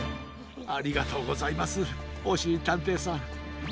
ありがとうございますおしりたんていさん。